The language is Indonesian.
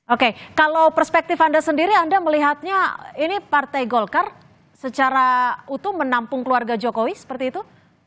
oke kalau perspektif anda sendiri anda melihatnya ini partai golkar secara utuh menampung keluarga jokowi seperti itu